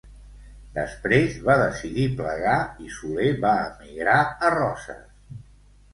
Després va decidir plegar i Soler va emigrar a Roses.